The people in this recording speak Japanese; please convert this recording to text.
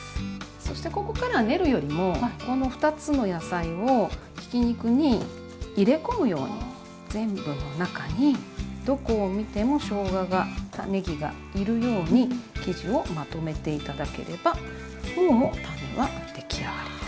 そしてここからは練るよりもこの２つの野菜をひき肉に入れ込むように全部の中にどこを見てもしょうががねぎがいるように生地をまとめて頂ければもうタネは出来上がりです。